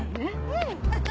うん！